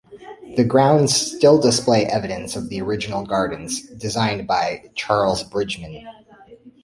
The grounds still display evidence of the original gardens, designed by Charles Bridgeman.